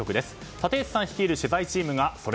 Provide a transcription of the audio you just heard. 立石さん率いる取材チームがソレ